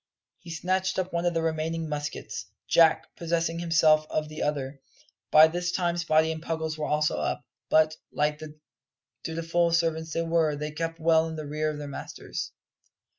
He snatched up one of the remaining muskets, Jack possessing himself of the other. By this time Spottie and Puggles were also up, but, like the dutiful servants they were, they kept well in the rear of their masters.